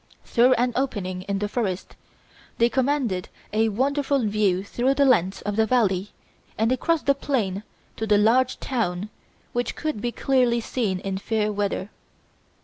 Through an opening in the forest, they commanded a wonderful view through the length of the valley and across the plain to the large town which could be clearly seen in fair weather.